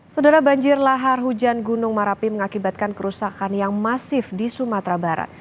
saudara banjir lahar hujan gunung merapi mengakibatkan kerusakan yang masif di sumatera barat